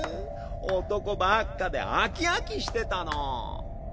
男ばっかで飽き飽きしてたの。